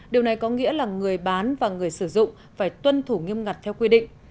điều này có nghĩa là người bán và người sử dụng phải tuân thủ nghiêm ngặt theo quy định